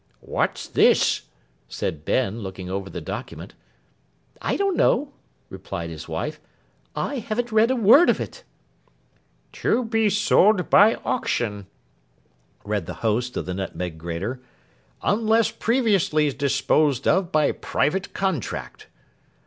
'What's this?' said Ben, looking over the document. 'I don't know,' replied his wife. 'I haven't read a word of it.' '"To be sold by Auction,"' read the host of the Nutmeg Grater, '"unless previously disposed of by private contract."